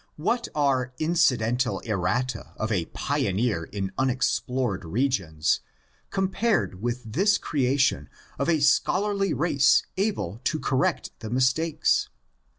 What are incidental errata of a pioneer in unexplored regions compared with this creation of a scholarly race able to correct the mistakes